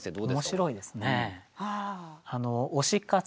面白いですね。